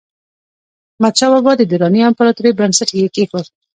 احمدشاه بابا د دراني امپراتورۍ بنسټ یې کېښود.